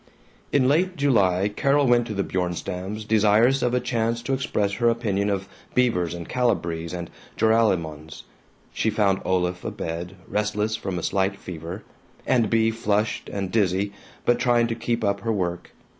In late July Carol went to the Bjornstams' desirous of a chance to express her opinion of Beavers and Calibrees and Joralemons. She found Olaf abed, restless from a slight fever, and Bea flushed and dizzy but trying to keep up her work.